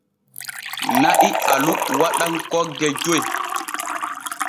Na'i alu waɗan kogge joy.